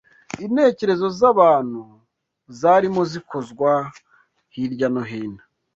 Intekerezo z’abantu zarimo zikozwa hirya no hino